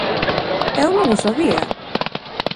¡Eu non o sabía!